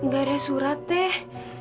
gak ada surat teh